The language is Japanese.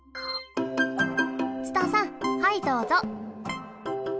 ツタさんはいどうぞ。